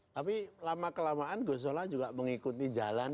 tapi lama kelamaan gusola juga mengikuti jalan